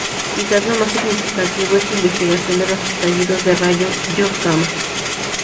Quizás lo más significativo es su investigación de los estallidos de rayos gamma.